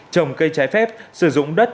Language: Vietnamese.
trồng cây trái phép sử dụng đất